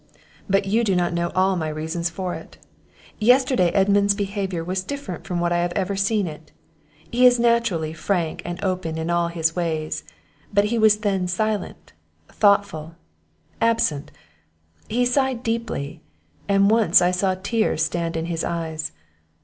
"But you do not know all my reasons for it. Yesterday Edmund's behaviour was different from what I have ever seen it he is naturally frank and open in all his ways; but he was then silent, thoughtful, absent; he sighed deeply, and once I saw tears stand in his eyes.